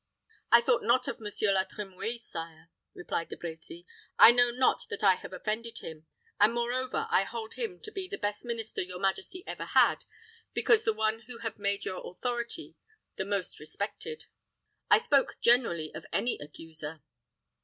"I thought not of Monsieur La Trimouille, sire," replied De Brecy. "I know not that I have offended him; and, moreover, I hold him to be the best minister your majesty ever had, because the one who has made your authority the most respected. I spoke generally of any accuser."